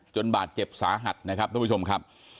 บาดเจ็บสาหัสนะครับทุกผู้ชมครับ